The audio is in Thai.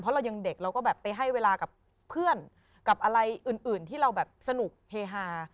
เพราะเรายังเด็กเราก็แบบไปให้เวลากับเพื่อนกับอะไรอื่นที่เราแบบสนุกเฮฮา